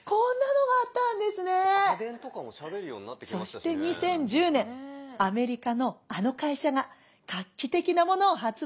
「そして２０１０年アメリカのあの会社が画期的なものを発売したの」。